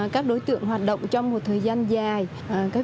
các đối tượng hoạt động trong một thời gian dài